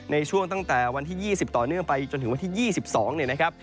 ในช่วงตั้งแต่วันที่๒๐ต่อเนื่องไปจนถึงวันที่๒๒เนี่ยนะครับ